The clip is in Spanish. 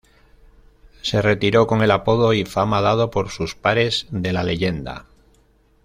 Se retiró con el apodo y fama dado por sus pares de "La leyenda".